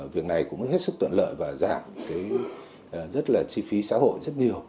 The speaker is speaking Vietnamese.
việc này cũng hết sức tuận lợi và giảm cái rất là chi phí xã hội rất nhiều